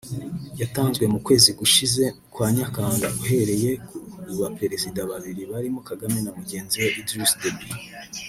yatanzwe mu kwezi gushize kwa Nyakanga ihereye ku baperezida babiri barimo Kagame na mugenzi we Idriss Déby